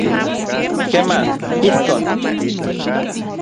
Kema, ijkon.